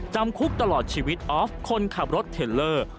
จำคุกตลอดชีวิตออฟคนขับรถเทลเลอร์